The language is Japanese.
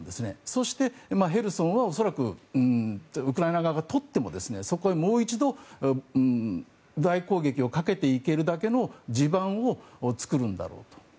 そして、ヘルソンは恐らくウクライナ側がとってもそこへもう一度大攻撃をかけていけるだけの地盤を作るんだろうと。